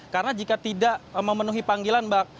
karena jika tidak memenuhi panggilan mbak